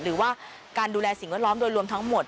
หรือว่าการดูแลสิ่งแวดล้อมโดยรวมทั้งหมด